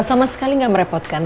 sama sekali enggak merepotkan